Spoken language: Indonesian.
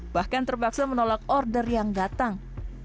bahkan terpaksa menolak order yang datang